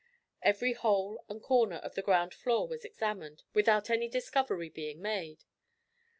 Every hole and corner of the ground floor was examined without any discovery being made.